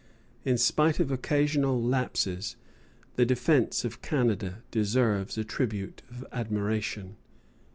In spite of occasional lapses, the defence of Canada deserves a tribute of admiration.